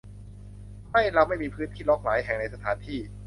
ไม่เราไม่มีพื้นที่ล็อคหลายแห่งในสถานที่